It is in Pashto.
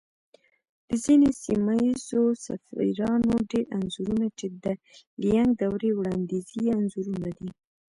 د ځينې سيمه ييزو سفيرانو ډېری انځورنه چې د ليانگ دورې وړانديزي انځورونه دي